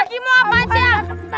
kakimu apaan sih